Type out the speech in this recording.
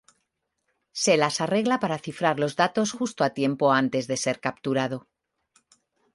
Se las arregla para cifrar los datos justo a tiempo antes de ser capturado.